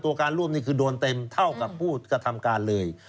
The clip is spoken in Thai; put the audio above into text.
การร่วมนี่คือโดนเต็มเท่ากับผู้กระทำการเลย